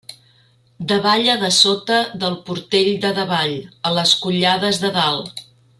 Davalla de sota del Portell de Davall, a les Collades de Dalt.